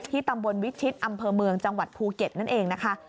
ตำบลวิชิตอำเภอเมืองจังหวัดภูเก็ตนั่นเองนะคะ